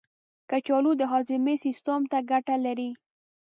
کچالو د هاضمې سیستم ته ګټه لري.